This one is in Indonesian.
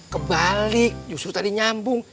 kebalik justru tadi nyambung